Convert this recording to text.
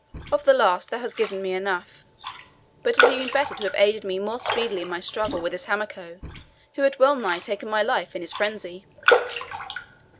Of the last thou hast given me enough; but it had been better to have aided me more speedily in my struggle with this Hamako, who had well nigh taken my life in his frenzy."